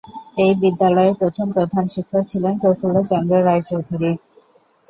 এই বিদ্যালয়ের প্রথম প্রধান শিক্ষক ছিলেন প্রফুল্ল চন্দ্র রায় চৌধুরী।